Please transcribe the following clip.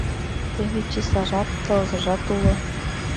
Теве числажат, тылзыжат уло.